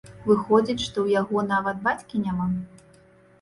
Выходзіць, што ў яго нават бацькі няма?